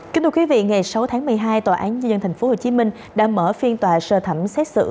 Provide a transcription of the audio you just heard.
kính thưa quý vị ngày sáu tháng một mươi hai tòa án nhân dân tp hcm đã mở phiên tòa sơ thẩm xét xử